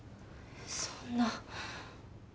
そんな。